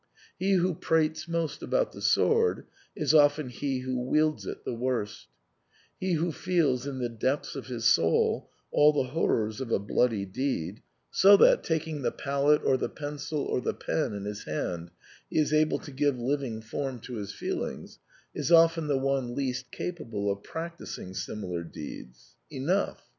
He who prates most about the sword is often he who wields it the worst ; he who feels in the depths of his soul all the horrors of a bloody deed, so that, taking the palette or the pencil or the pen in his hand, he is able to give living form to his feelings, is often the one least capable of practising similar deeds. Enoiigh